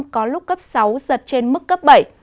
có lúc cấp sáu giật trên mức cấp bảy